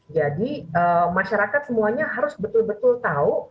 jadi masyarakat semuanya harus betul betul tahu